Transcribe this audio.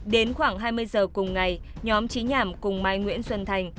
đến khoảng hai mươi giờ cùng ngày nhóm trí nhảm cùng mai nguyễn xuân thành